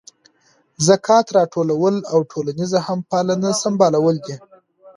ذکات راټولول او ټولنیزه همپالنه سمبالول دي.